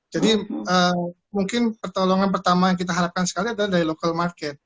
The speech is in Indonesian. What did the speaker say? jadi mungkin pertolongan pertama yang kita harapkan sekali adalah dari local market